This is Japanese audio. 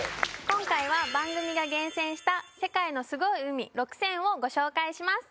今回は番組が厳選した世界のすごい海６選をご紹介します